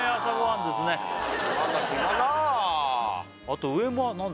あと上も何？